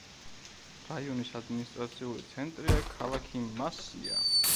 რაიონის ადმინისტრაციული ცენტრია ქალაქი მასია.